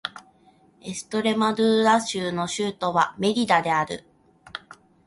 エストレマドゥーラ州の州都はメリダである